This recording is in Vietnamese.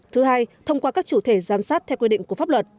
thứ hai thông qua các chủ thể giám sát theo quy định của pháp luật